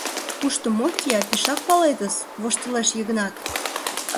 — Кушто мо кия, пешак палетыс, — воштылеш Йыгнат.